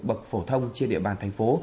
bậc phổ thông trên địa bàn thành phố